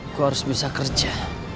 aku harus bisa kerja